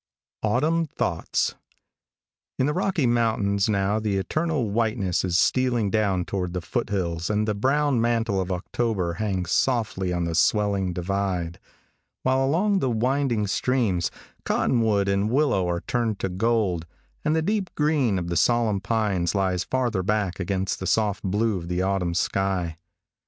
AUTUMN THOUGHTS. |IN the Rocky mountains now the eternal whiteness is stealing down toward the foot hills and the brown mantle of October hangs softly on the swelling divide, while along the winding streams, cottonwood and willow are turned to gold, and the deep green of the solemn pines lies farther back against the soft blue of the autumn sky.